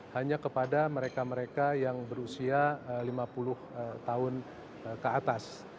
hanya kepada mereka mereka yang berusia lima puluh tahun ke atas